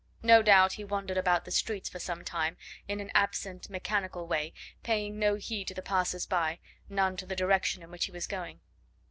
No doubt he wandered about the streets for some time in an absent, mechanical way, paying no heed to the passers by, none to the direction in which he was going.